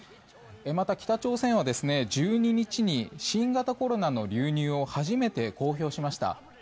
また、北朝鮮は１２日に新型コロナの流入を初めて公表しました。